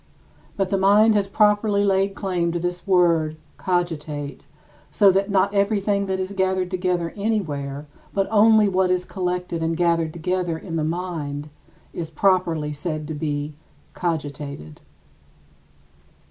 But the mind has properly laid claim to this word [cogitate] so that not everything that is gathered together anywhere, but only what is collected and gathered together in the mind, is properly said to be "cogitated."